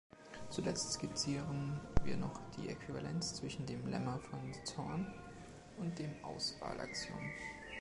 Zuletzt skizzieren wir noch die Äquivalenz zwischen dem Lemma von Zorn und dem Auswahlaxiom.